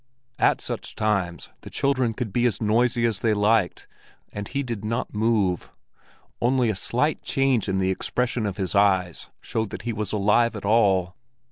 At such times the children could be as noisy as they liked, and he did not move; only a slight change in the expression of his eyes showed that he was alive at all.